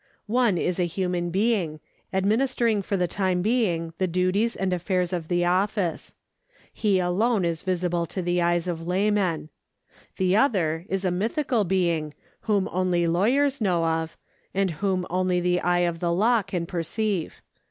One is a human being, administering for the time being the duties and affairs of the office. He alone is visible to the eyes of laymen. The other is a mythical being whom only lawyers know of, and whom only the eye of the law can perceive.